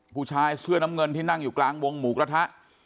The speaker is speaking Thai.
ผู้ชายเสื้อน้ำเงินที่นั่งอยู่กลางวงหมูกระทะ